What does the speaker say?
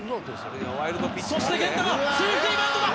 そして源田がセーフティーバントだ！